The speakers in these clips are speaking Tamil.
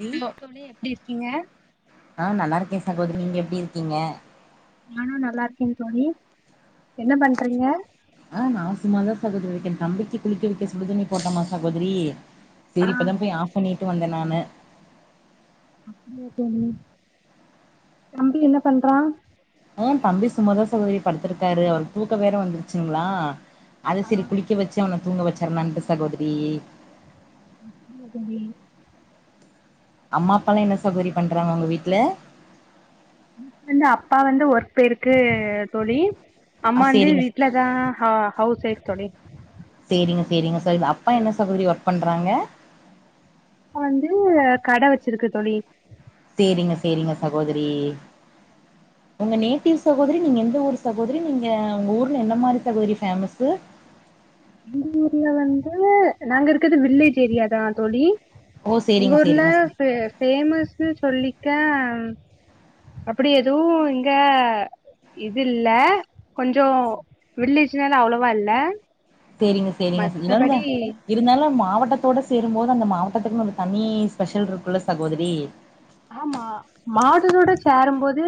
ரி ஹலோ தோழி எப்டி இருக்கீங்க அது நீங்க எப்டி இருக்கீங்க நானும் நல்லா இருக்க தோழி என்ன பண்றீங்க ஆ நா [unintelligible] தம்பிக்கு குளித்து வைக்க சுடுதண்ணி போட்டோமா சகோதரி ஆ சரி இப்ப தான் போய் ஆஃப் பண்ணி விட்டுட்டு வந்தே நானு அப்படியாே தம்பி என்ன பண்றான் ஹுய் தம்பி சுமதா சகோதரி படுத்திருக்காரு அவருக்கு தூக்க வேற வந்துருச்சுங்களா அதை ஆ சரி குளிக்க வச்சு அவனுக்கு தூங்கவச்சை எ அன்பு சகோதிரி [unintelligible] அம்மா அப்பல்லாம் என்ன சகோதரி பண்றாங்க வீட்ல [inaudible] வந்து அப்பா வந்து ஒர்க் போய்ருக்கு தோழி அம்மா ஆ வந்து சேரிங்க வீட்ல தா ஹ ஹவ்ஸ் ஒய்ஃப் தோழி சேரிங்க சேரிங்க [unintelligible] அப்பா என்ன [unintelligible] பண்றாங்க அப்பா வந்து கட வெச்சிருக்கு தோழி சேரிங்க சேரிங்க சகோதிரி உங்க நேட்டிவ் சகோதரி நீங்க எ ந்த ஊர் சகோதரி நீங்க உங்க ஊர்ல என்ன மாரி சகோதரி ஃபேமஸ்ஸு எங்க ஊர்ல வந்து நாங்க இருக்கறது வில்லேஜ் ஏரியா தா தோழி ஓ எங்க சேரிங்க ஊர்ல சேரிங்க ஃபு ஃபேமஸ் ஸு சொல்லிக்க அப்டி எதுவு இங்க இதில்ல கொஞ்ச வில்லேஜ்னால அவ்ளவா இல்ல சேரிங்க சேரிங்க இல்லந்த மத்தபடி இருந்தாலு மா வட்டத்தோட சேரும்போது அந்த மாவட்டத்துக்குனு ஒன்னு தனி ஸ்பெஷல்ருக்குல்ல சகோதரி ஆமா மாவட்டத்தோட சேரம்போது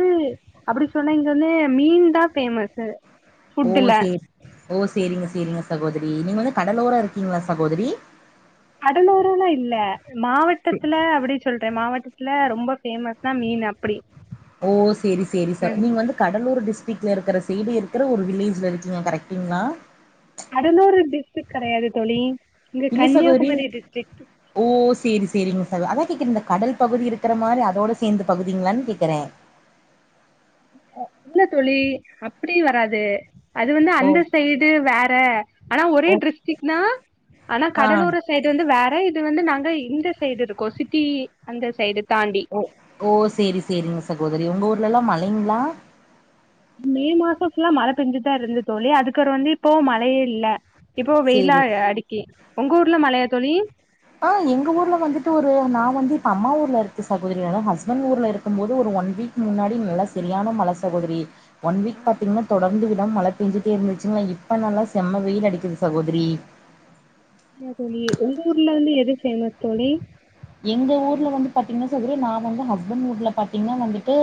அப்டி சொன்னா இங்க வந்து மீன் தா ஃபேமஸு ஓ ஃபுட்டுல சேரி ஓ சேரிங்க சேரிங்க சகோதரி நீங்க வந்து கடலோர கீங்களா சகோதரி கடலோரல்லா இல்ல மாவட்டத்துல அப்டி சொல்றே மாவட்டத்துல ரொம்ப ஃபேமஸ் னா மீன் அப்டி ஓ சேரி சேரி ச நீங்க வந்து கடலூரு டிஸ்டிக்ல ருக்கற சைடு இருக்கற ஒரு வில்லேஜ்ல இருக்கீங்க கரெக்ட்டுங்ளா கடலூரு டிஸ்டிக் கெடையாது தோழி இங்க இல்ல சகோதரி கன்னியாகுமரி டிஸ்ட்ரிக் ஓ சேரி சேரிங்க சகோ அதா [unintelligible] இந்த கடல் பகுதி இருக்கற மாரி அதோட சேந்த பகுதிங்ளானு கேக்கறே இல்ல இல்ல தோழி அப்டியு வராது அது வந்து ஓ அந்த சைடு வேற ஆனா ஒரே ஓ ட்ரிஸ்டிக் நா ஆனா ஆ கடலோர சைடு வந்து வே ற இது வந்து நாங்க இந்த சைடு இருக்கோ சிட்டி அந்த சைடு தாண்டி ஓ ஓ சேரி சேரிங்க சகோதரி உங்க ஊர்லல்லா மழைங்களா? மே மாசோ ஃபுல்லா மழ பேஞ்சுட் தா இருந்துத் தோழி அதுக்கற வந்து இப்போ மழயே இல்ல இப்போ வெயிலா சேரி அ அடிக்கி உங்க ஊர்ல மலையா தோழி ஆஹ் எங்க ஊர்ல வந்துட்டு ஒரு நா வந்து இப்ப அம்மா ஊர்ல இருக்க சகோதரி ஆனா ஹஸ்பண்ட் ஊர்ல இருக்கும் போது ஒரு ஒன் வீக் முன்னாடி நல்ல சரியான மல சகோதரி ஒன் ஆ வீக் பாத்தீங்கன்னா தொடர்ந்து வி டாம மழ பெஞ்சுட்டே இருந்துச்சிங்குலா இப்ப நல்லா செம்ம வெயில் அடிக்குது சகோதரி அப்டியா தோழி உங்க ஊர்ல வந்து எது பேமஸ் தோழி எங்க ஊர்ல வந்து பாத்தீங்கன்னா சகோதரி நா வந்து ஹஸ்பண்ட் ஊர்ல பாத்தீங்கன்னா வந்துட்டு,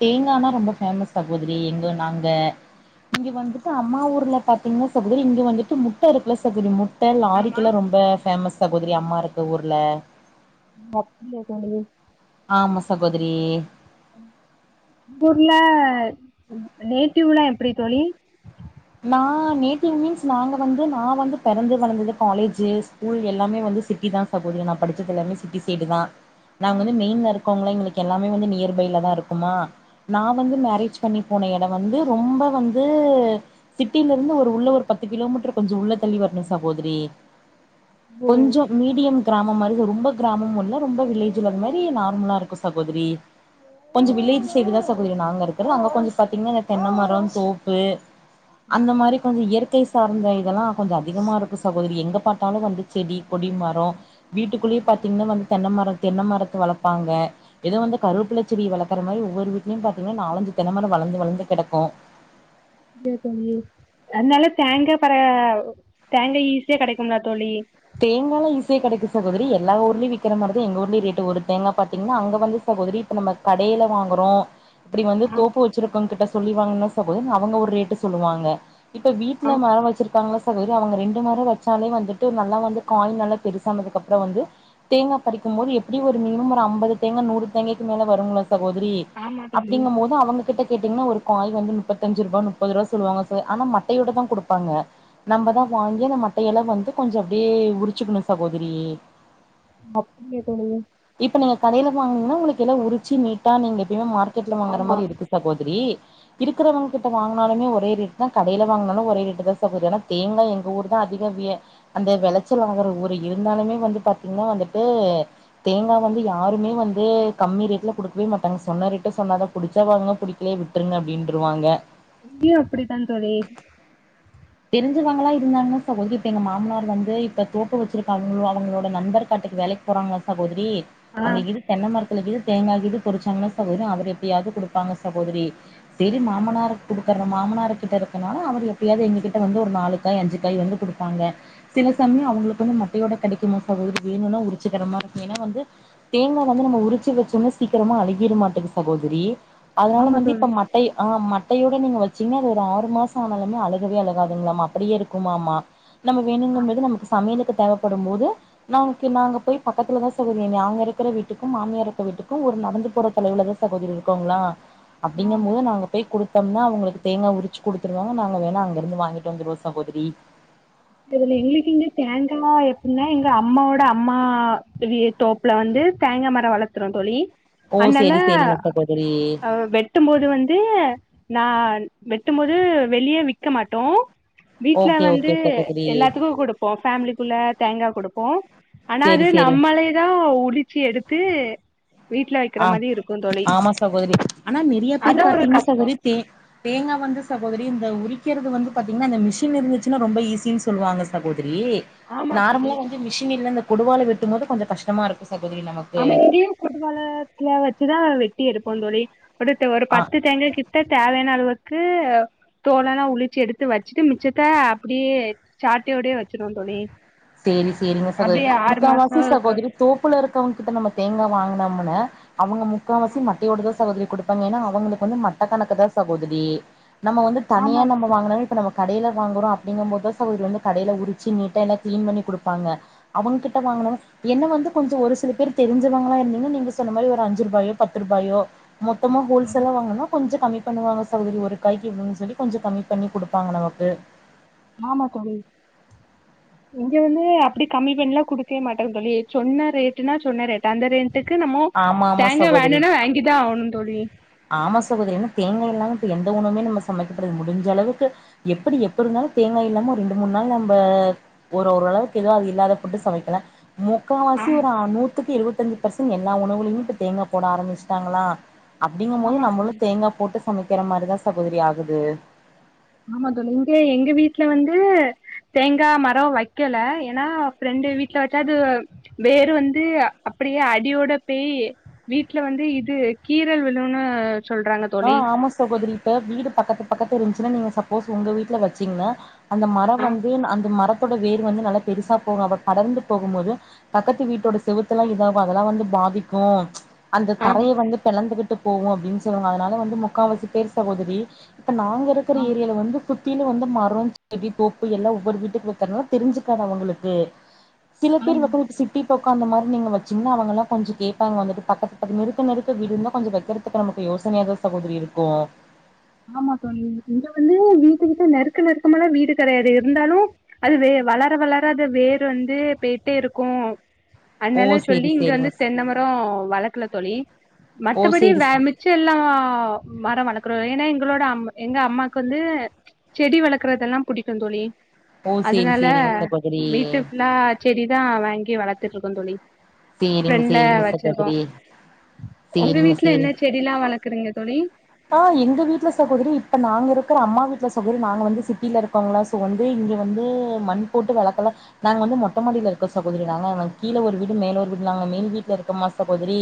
தேங்கானா ரொம்ப பேமஸ் சகோதரி எங்க நாங்க இங்க வந்துட்டு அம்மா ஊர்ல பாத்தீங்கன்னா சகோதரி இங்க வந்துட்டு முட்டை இருக்கல சகோதரி முட் ட்ட ஆமா லாரிக்கெல்லா ரொம்ப பேமஸ் சகோதரி அம்மா இருக்கு ஊர்ல [unintelligible] ஆமா சகோதிரி உங்க ஊர்ல நேட்டிவ்லா எப்டி தோழி நா நேட்டிவ் மீன்ஸ் நாங்க வந்து நா வந்து பெறந்து வளந்தது காலேஜு ஸ்கூல் எல்லாமே வந்து சிட்டி தான் சகோதரி நான் படிச்சது எல்லாமே சிட்டி சைடு தான் ஆ நாங்க வந்து மெயின்ல இருக் இருக்கோம்ல எங்ளுக்கு எல்லாமே வந்து நியர்பைல தான இருக்குமா நா ஆ வந்து மேரேஜ் பண்ணி போன இடம் வந்து ரொம்ப வந்து சிட்டில இருந்து ஒரு உள்ள ஒரு பத்து கிலோமீட்டர் கொஞ்சோ உள்ள தள்ளி வரணு சகோதரி கொஞ்சோ மீடியம் கிராமம் மாதிரி ரொம்ப கிராமமு இல்ல ரொம்ப வில்லேஜ்ம்ல மேறி நார்மலா இருக்கு சகோதரி கொஞ்சோ வில்லேஜ் சைடுதா சகோதரி நாங்க இருக் அன் இன்டெலிஜெம் தோப்பு அந்த மாரி கொஞ்சோ இயற்கை சார்ந்த இதெல்லாகொஞ்சோ அதிகமா இருக்கு சகோதரி எங்க பாத்தாலு வந்து கொடி ம ரோ வீட்டுக்குல்லே பாத்தீங்னா வந்து தென்ன மரம் தென்னமரத்த வளப்பாங்க எதோ வந்து கருவுப்ல செடி வளர்க்கற மாதிரி ஒவ்வொரு வீட்லயும் பாத்தீங்கன்னா நாலஞ்சு தென்ன மரம் வளந்து வளந்து கெடக்கும் டிங் அத்னால பற தேங்கா ஈஸியா கெடைக் [unintelligible] தோழி சியா கெடைக்கு சகோதரி யெல்லா ஊர்லயும் விக்கிற மாரிதா யெங்க ஊர்லய ரேட்டு. ஒரு தேங்கா பாத்தீங்ன்னா அங்க வந்து சகோதரி யிப்ப நம்ம கடைல வாங்குறோம் யிப்டி வந்து ஆ தோப்பு வச்சிருக்கவங்கிட்ட சொல்லிவாங்கன்ன சகோதரி அவங்க ஒரு ரேட்டு சொல்வாங்க யிப்ப வீட்ல ஆ மர வெச்சுருகவங்கலா வெறு அவங்க ரெண்டு மர வச்சாலே வந்துட்டு நல்லா வந்து காய் நல்லா பெரிசானஅப்ரோ வந்து தேங்கா பறிக்கும்போது எப்டியும் ஒரு மினிமம் ஒரு ஐம்பது தேங்கா நூறு தேங்காய்க்கு மேல வருங்களா சகோதரி ஆமா தோழி அப்டிங்கும் போது அவங்க கிட்ட கேட்டீங்கன்னா ஒரு காய் வந்து முப்பத்தஞ்சு ரூபா, முப்பது ரூபா சொல்வாங்க தோ ஆனா மட்டையோட தான் குடுப்பாங்க நம்பதான் வாங்கி ந்த ம அதயல்லா வந்து கொஞ்ச அப்டியே உரிச்சுக்கணு சகோதரி இப்ப நீங்க [unintelligible] கடையில வாங்னிங்கனா உங்களுக்கு எல்லா உரிச்சி நீட்டா நீங்க எப்பயுமே மா ர்க்கெட்ல வாங்குற ஆமா மாரி இருக்கு சகோதரி இருக்கறவங்க கிட்ட வாங்கினாலுமே ஒரே ரேட்தா கடையில வாங்னாலு ஒரே ரேட்டுதா சகோதிரி ஆனா தேங்காய் எங்க ஊர்தா அதிக விய அந்த வெளச்சல் ஆகிற ஊரு இருந்தாலுமே வந்து பாத்திங்னா வந்துட்டு தேங்கா வந்து யாருமே வந்து கம்மி ரேட்ல குடுக்கவே மாட்டாங்க சொன்ன ரேட்ட சொன்னதா புடிச்சா வாங்குங்க புடிக்கலயா விட்ருங்க அப்டின்ருவாங்க இங்கயு அப்டித்தான் தோழி க்கறவங்களா இருந்தாலுமே சகோதரி இப்ப எங்க மாமனார் வந்து இப்ப தோப்பு வெச்சிருக்காங்களோ அவங்களோட நண்பர் காட்டுக்கு வேலைக்கு போறாங்களா சகோதரி ஆ அங்க கீது தென்ன மரத்துல கீது தேங்க கீது பொறிச்சாங்னா சகோதரி அவர் எப்பயாவது குடுப்பாங்க சகோதரி செரி மாமனருக்கு குடுக்குற மாமனருக் கிட்ட இருக்கனால அவர் எப்பயாவுது எங்குகிட்ட வந்து ஒரு நாலு காய் அஞ்சு காய் வந்து குடுப்பாங்க சில சமய அவங்களுக்கு வந்து மட்டையோட கெடைக்குமா சகோதரி வேணுனா உரிச்சிக்கிற மார்ருக்கு ஏனா வந்து தேங்கா வந்து நம்ம உரிச்சி வச்சோன சீக்கிரமா அழுகிருமாட்ருக்கு சகோதரி அதனால ஆமா வந்து தோழி இப்ப மட்டை ஆ ம ட்டையோட நீங்க வெச்சிங்னா அது ஒரு ஆறு மாச ஆனாலுமே அழுகவே அழுகாதுங்ளாமா அப்டியே இருக்குமாமா நமக்கு ஆ வேணுங்கம்போது நமக்கு சமையலுக்கு தேவப்படும் போது நமக்கு நா அங்க போய் பக்கத்துலதா சகோதரி நாங்க இருக்கிற வீட்டுக்கும் மாமியார் இருக்கிற வீட்டுக்கு ஒரு நடந்து போற தொலைவுலதா சகோதரி இருக்கோங்ளா ஆ அப்டிங்கும் போது நா அங்க போய் குடுத் தம்னா அவங்களுக்கு தேங்கா உரிச்சு குடுத்துருவாங்க நாங்க வேணா அங்க இருந்து வாங்கிட்டு வந்துருவோ சகோதிரி எங்ளுக்கிங்க தேங்கா எப்புனா அம்மாவோட அம்மா வி தோப்புல வந்து தேங்கா மர வளத்துறோ தோழி ஓ அதனால சேரி சேரிங்க சகோதரி அ வெட்டும் போது வந்து நான் வெட்டும்போது வெளிய விக்க மாட்டோ வீட்ல ஓகே வந்து ஓகே சகோதரி எல்லாத்துக்கு குடுப்போ ஃபேமிலிக்குள்ள தேங்கா குடுப்போ ஆனா அது சேரி சேரி நம்மளேதா உளி ச்சி எடுத்து வீட்ல வைக்கிற ஆம் மாரி இருக்கும் தோழி ஆமா சகோதிரி ஆனா நெறையா பேர் அதான் ஒரு பாத்திங்னா சகோதிரி தே தேங்கா வந்து சகோதிரி இந்த உரிக்கிறது வந்து பாத்திங்னா இந்த மிஷின் இருந்துச்சுனா ரொம்ப ஈசினு சொல்லுவாங்க சகோ திரி ஆமா தோழி நார்மலா வந்து மிஷின் இல்ல கொடுவாள வெட்டும்போது கொஞ்ச கஷ்டமா இருக்கு சகோதரி நமக்கு ஆமா இங்கயு கொடுவாள வெச்சுதா வெட்டி எடுப்போ தோழி ஒரு ஆ பத்து தேங்கா கிட்ட தேவையான அளவு க்கு தோலெல்லா உளிச்சு எடுத்து வச்சுட்டு மிச்சத்த அப்டியே சாக்கயேடயே வெச்சிருவோ தோழி சேரி சேரிங்க சகோதரி முக்காவசி சகோதரி தோப்புல இரு இருக்கவங்கிட்ட நம்ம தேங்கா வாங்குனோம்னா அவுங்க முக்காவாசி மட்டையோட தா சகோதரி குடுப்பாங்க ஏன்னா அவுங்களுக்கு வந்து மட்ட கணக்குதா சகோதரி நம்ம வந்து தனியா ஆமா நம்ம வாங்கனாலும் இப்ப நமக் கடையில வாங்குறோ அப்டிங்கபோதுதா சகோதரி வந்து கடையில உரிச்சி நீட்டா எனக்கு க்ளீன் பண்ணி குடுப்பாங்க அவுங்கிட்ட வாங்குனாவே என்ன வந்து கொஞ்சோ ஒரு சில பேர் தெரிஞ்சவங்களா இருந்தீங்கனா நீங்க சொன்ன மாரி ஒரு அஞ்சுரூபாயோ பத்துரூபாயோ மொத்தமா ஹோல்சேலா வாங்கனா கொஞ்சோ கம்மி பண்ணுவாங்க சகோதரி ஒரு காய்கு இவ்ளோனு சொல்லி சொல்லி கொஞ்சோ கம்மி பண்ணி குடுப்பாங்க நமக்கு மாமா தோழி இங்க வந்து அப்டி கம்மி பண்ணிலா குடுக்கயே மாட்டாங்க தோழி சொன்ன ரேட்டுனா சொன்ன ரேட் அந்த ரே ட்டுக்கு நம்மோ ஆமா ஆமா தேங்க சகோதரி வேணுனா வாங்கிதா ஆவணும் தோழி சகோதிரி ஏன்னா தேங்கா இல்லாம இப்ப எந்த உணவுமே சமைக்கப்படுது முடிஞ்ச அளவுக்கு எப்படி எப்பருந்தாலும் தேங்காய் இல்லாம ரெண்டு மூணு நாள் நம்ப ஒரு ஓரளவுக்கு ஏதோ அது இல்லாத ஃபுட்டு சமைக்கலா முக்காவாசி ஆமா ஒரு நூத்துக்கு இருவத்தி ஐஞ்சி ஃபர்சன் எல்லா உணவுலையும் இப்ப தேங்கா போட ஆரம்பிச்டாங்களா அப்டிங்கும் போது ஆமா தோழி நம்மளும் தேங்கா போட்டு சமைக்கிற மாரிதா சகோதரி ஆகுது ஆமா தோழி இங்கயே எங்க வீட்டுல வந்து தேங்கா மரோ வக்கல ஏன்னா ஃப்ரெண்டு வீட்ல வெச்சா அது வேறு வந்து அப்படியே அடியோட பேய் வீட்டுல வந்து இது கீரல் விழுன்னு சொல்றாங்க தோழி ஆஹ் ஆமா சகோதிரி இப்ப வீடு பக்கத்து பக்கத்து இருந்துச்சுன்னா நீங்க சப்போஸ் உங்க வீட்டுல வச்சீங்கன்னா அந்த மரம் ஆ வந்து அந்த மரத்தோட வேர் வந்து நல்லா பெருசா போகும் அப்ப படர்ந்து போகும் போது பக்கத்து ஆ வீட்டோட செவத்துல்லா இதாவ் அதெல்லா வந்து பாதிக்கோ ப்ச் அந்த ஆம் தரைய வந்து பெளந்துகிட் போகு அப்புடின் சொல்லுனாங்க அதுனால வந்து முக்கா வாசி பேர் சகோதரி இப்ப நாங்க இருக்கற ஆ, ஏரியல வந்து சுத்தியில வந்து மர செடி தோப்பு எல்லா ஒவ்வொரு வீட்டுக்கு வெச்சாளு தெரிஞ்சுக்காது அவுங்களுக்கு சில பேர் மக்களுக்கு சிட்டி ந்த உக்காந்த மாரி நீங்க வெச்சிங்ன்ன அவுங்கல்லா கொஞ்சோ கோப்பாங்க வந்துட்டு பக்கத்து பக்கத் நெருக்க நெருக்க வீடு இருந்த கொஞ்சோ வெக்கறதுக்கு நமக்கு யோச யோசனையா தா சகோதரி இருக்கோ ஆமா தோழி இங்க வந்து வீட்டுகிட்ட நெருக்க நெருக்கமலா வீடு கெடையாது இருந்தாலு அது வே வளர வளர அது வேரு வந்து போயிட்டே இருக்கோ ஓ அதனால சேரி சொல்லி இங்க சேரிங்க வந்து ஸ் தென்ன மர வள வெக்கல தோழி ஓ மத்தபடி சேரி வே ஸ் மிச்ச எல்லா மர வளக்குறோ ஏன்னா எங்களோட அம் எங்க அம்மாக்கு வந்து செடி வளர்க்குறதெல்லா புடிக்கு தோழி ஓ சேரி அதனால சேரிங்க சகோதரி வீட்டு ஃபுல்லா செடிதா வாங்கி வளர்த் [unintelligible] தோழி சேரிங்க ஃப்ரன்ட்ல சேரிங்க வச்சிருக்கோ சகோதரி உங்க சேரிங்க வீட்டுல சேரி என்ன செடில்லா வளக்குறீங்க தோழி ஆ எங்க வீட்டுல சகோதரி இப்ப நாங்க இருக்கிற அம்மா வீட்டு்ல சகோதரி நாங்க வந்து சிட்டில இருக்கோங்களா ஸோ வந்து இங்க வந்து மண் போட்டு வளக்கல நாங்க வந்து மொட்ட மாடியில இருக்கோ சகோதரி நாங்க கீழே ஒரு வீடு மேல ஒரு வீடு நாங்க மேல் வீட்டுல இருக்கோமா சகோதரி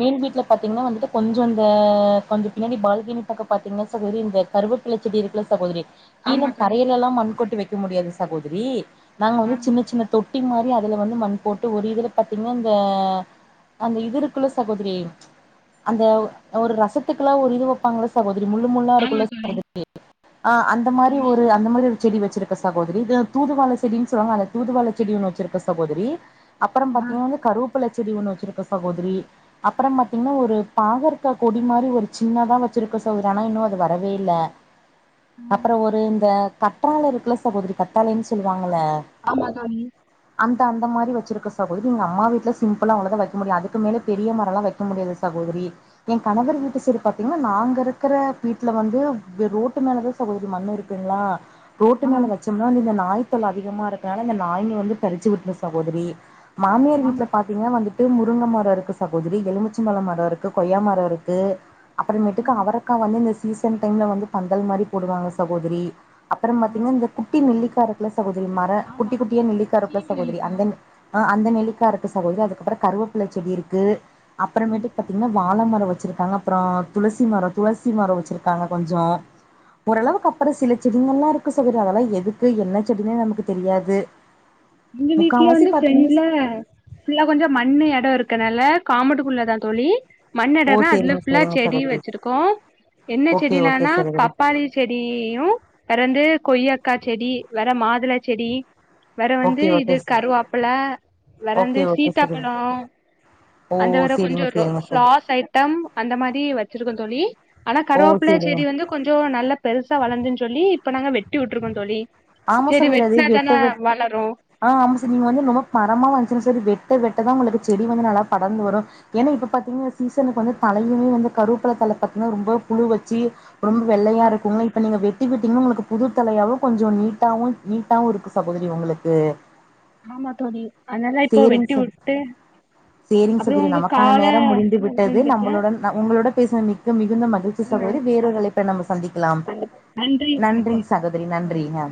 மேல் வீட்ல பாத்தீங்கன்னா வந்துட்டு கொஞ்சோ அந்த கொஞ்சோ பின்னடி பால்கனி பக்க பாத்திங்கன்னா சகோதரி இந்த கருவப்புல செடி இருக்குல சகோதரி ஆமா கீழும் தோழி தரையில்லால மண் கொட்டி வை முடியாது சகோதரி நாங்க ஆ வந்து சின்ன சின்ன தொட் டி மாரி அதுல வந்து மண் போட்டு ஒரு இதுல பாத்தீங்கன்னா இந்த அந்த இது இருக்குல சகோதரி அந்த ஒரு ரசத்துக் துல்ல ஒரு இது வப்பாங்கள சகோதரி இது முள்ளு முள்ளா ஆமா இருக்குல தோழி சகோதரி ஆ அந்த மாரி ஆமா ஒரு அந்த மாரி ஒரு செடி வச்சிருக்க சகோதரி இது தூதுவாள செடின்னு சொல்லுவாங்கள அந்த தூதுவாள செடி ஒன்னு வச்சிருக்கோ சகோதரி அப்ற ஆ பாத்தீங்கன்னா வந்து கருவப் வேப்பல செடி ஒன்னு வச்சிருக்கோ சகோதரி அப்ற பாத்தீங்கன்னா ஒரு பாகற்கா கொடி மாரி ஒரு சின்னதா வச்சிருக்கோ சகோதரி ஆனா இன்னு அது வரவே இல்ல அப்ற ஒரு இந்த கற்றால இருக்குல சகோதரி கத்தாலைன்னு சொல்லுவாங்க ஆமா தோழி அந்த மாரி வச்சிருக்கோ சகோதரி எங்க அம்மா வீட்ல சிம்பிள்லா அவ்ளோதா வைக்க முடியு அதுக்கு மேலே பெரிய மரலா வைக்க முடியாது சகோதரி எ கணவர் வீட்டு சிறு பாத்தீங்கன்னா நாங்க இருக்கிற வீட்டுல வந்து ரோட்டு மேலதா சகோதரி மண்ணு இருக்குங்களா ரோட்டு மேல வச்சோம்னா நீங்க நா நாய் தொல்ல அதிகமாக இருக்கிறதுனால இந்த நாய்ங்க வந்து பறிச்சிவிட்டுரு சகோதரி மாமியார் ஆமா வீட்டுல பாத்தீங்கன்னா வந்துட்டு இப்பையு முருங்க மரோ இருக்கு சகோதரி எலுமிச்ச பழ மரோ இருக்கு கொய்யா மரோ இருக்கு நட்டுக்கு அவரக்கா வந்து சீசன் டைம்ல வந்து பந்தல் மாரி போடுவாங்க சகோதரி அப்பற பாத்தீங்கன்னா இந்த குட்டி நெல்லிக்கா இருக் சகோதரி மர குட்டி குட்டியா நெல்லிக்கா இருக்குல சகோதரி அந்த நெ ஆ அந்த நெல் லிக்கா இருக்குது சகோதரி அதுக்கப்றோ கருவேப்பிலச் செடி இருக்கு அப்புறமேட்டுக் பாத்திங்கனா வாழ மரொ வச் ச்சிருக்காங்க அப்றோ துளசி மரொ துளசி மரொ வச்சிருக்காங்க கொஞ்சொ ஓரளவுக்கப்ற சிலித் செடிங்கல்லா இருக்கு சொவரு அதெல்லா எதுக்கு என்ன செடின்னே நமக்கு தெரியாது எங்க வீட்ல முக்காவாசி வந்து பாத்தீங்கன்னா ஃபிரண்ட்ல ஃபுல்லா கொஞ்சொ மண்ணு எடொ இருக்கனால் ல காமட்டுக்குள்ள தா தோழி ஓ மண்ணெடொந்தா அதுல சரிங்க ஃபுல்லா சரிங்க செடி சகோதரி வச்சிருக்கோ என்ன ஓகே ஓகே செடிலான்னா சகோதரி பப்பாளி செடீயு பெரண்டு கொய்யாக்கா செடி வேற மாதுள செடி தூ ஓகே இது ஓகே கருவாப்புல வெறந்து ஓகே ஓகே சகோதரி சீதாப்பழொ ஓ அந்த வர கொஞ்சொ சரிங்க சரிங்க சகோ ஃபிளாஷ் ஐட்டம் அந்த மாரி வச் சிருக்கோ தோழி ஆனா ஓ கருவாப்புல சேரிங்க செடி வந்து கொஞ்சொ நல்ல பெருஸ் சா வளந்துன் சொல்லி இப்ப நாங்க வெட்டி விட்ருக்கோ தோழி செரி வெட்னா தானே வளரு ஆஹ் ஆமாச நீங்க வந்து நொம்மோ மரமா வந்ச்சுனு சொல்லி வெட்ட வெட்டதா உங்களுக்கு செடி வந்து நல்லா படர்ந்து வரு ஏன்னா இப்ப பாத்திங்னா சீசனுக்கு வந்து தழையுமே வந்து கறிவப்ல தழ பாத்திங்னா ரொம்ப புழு வச்சி ரொம்ப ஆ வெள்ளையாருக்குங்க இப்ப நீங்க வெட் டிவிட்டிங்க உங்களுக்கு புது தழையாவு கொஞ்சொ நீட் ட்டாவு நீட்டாவு இருக்கு சகோதரி உங்களுக்கு ஆமா தோழி அதனால இப்போ சேரிங் வெட்டி ச விட்டு சேரிங் அப்புறோ சகிரி உங்க நமக்கான கால நேரோ முடிந்து விட்டது நம்மளுடன் ந உங்களுடன் பேச மிக்க மிக் மிகுந்த மகிழ்ச்சி சகோதரி வேறொரு அழைப்ப நம்ம சந்திக்லாம் நன்றி சகோதரி நன்றிக